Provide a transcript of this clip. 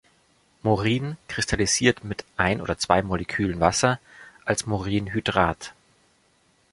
Morin kristallisiert mit ein oder zwei Molekülen Wasser als Morin-Hydrat.